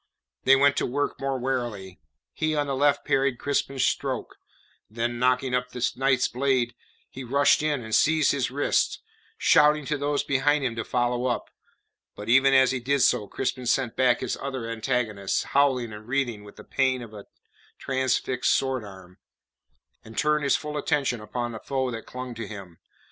They went to work more warily. He on the left parried Crispin's stroke, then knocking up the knight's blade, he rushed in and seized his wrist, shouting to those behind to follow up. But even as he did so, Crispin sent back his other antagonist, howling and writhing with the pain of a transfixed sword arm, and turned his full attention upon the foe that clung to him.